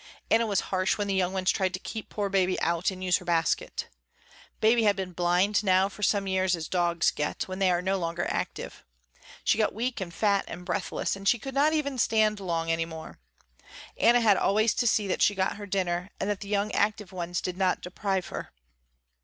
Anna was harsh when the young ones tried to keep poor Baby out and use her basket. Baby had been blind now for some years as dogs get, when they are no longer active. She got weak and fat and breathless and she could not even stand long any more. Anna had always to see that she got her dinner and that the young active ones did not deprive her.